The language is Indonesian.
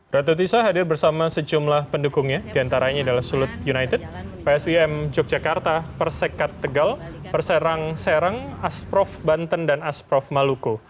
ratu tisa hadir bersama sejumlah pendukungnya diantaranya adalah sulut united psim yogyakarta persekat tegal perserang serang asprof banten dan asprof maluku